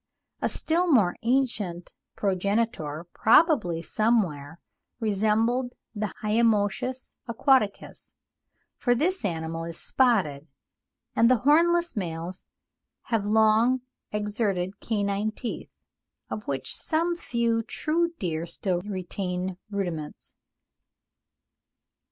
A still more ancient progenitor probably somewhat resembled the Hyomoschus aquaticus—for this animal is spotted, and the hornless males have large exserted canine teeth, of which some few true deer still retain rudiments.